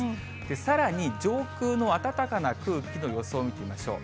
さらに上空の暖かな空気の予想を見てみましょう。